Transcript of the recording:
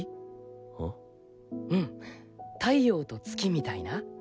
うん太陽と月みたいな？